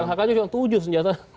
klhk juga cuma tujuh senjata